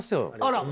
あら！